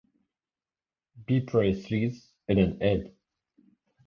B. Priestley's "Eden End".